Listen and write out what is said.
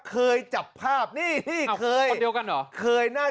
เคยจับภาพนี่เคย